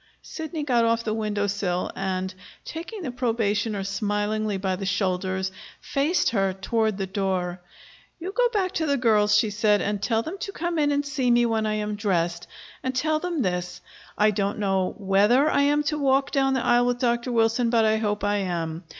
Sidney got off the window sill, and, taking the probationer smilingly by the shoulders, faced her toward the door. "You go back to the girls," she said, "and tell them to come in and see me when I am dressed, and tell them this: I don't know whether I am to walk down the aisle with Dr. Wilson, but I hope I am.